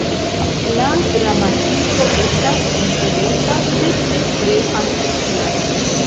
La gramatiko estas interesa sed ne tre fantazia.